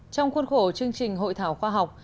trong khuôn khổ chương trình hội thảo khoa học